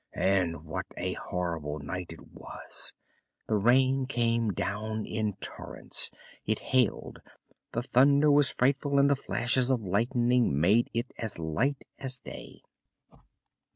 And what a horrible night it was! The rain came down in torrents, it hailed, the thunder was frightful, and the flashes of lightning made it as light as day.